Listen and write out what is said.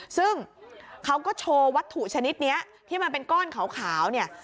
ซึ่งเขาก็โชว์วัตถุชนิดนี้ที่มันเป็นก้อนขาวเนี่ย